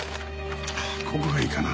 ああここがいいかな。